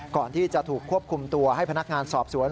ก่อนที่จะถูกควบคุมตัวให้พนักงานสอบสวน